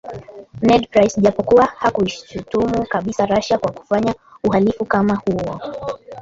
Ned Price japokuwa hakuishutumu kabisa Russia kwa kufanya uhalifu kama huo